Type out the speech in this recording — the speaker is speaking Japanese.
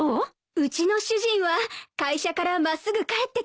うちの主人は会社から真っすぐ帰ってきます。